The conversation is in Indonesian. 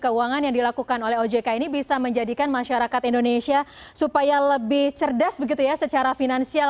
jadi keuangan yang dilakukan oleh ojk ini bisa menjadikan masyarakat indonesia supaya lebih cerdas begitu ya secara finansial